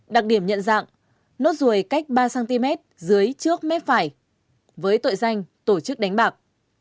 đặc điểm nhận dạng nốt ruồi cách ba cm dưới trước mép phải với tội danh tổ chức đánh bạc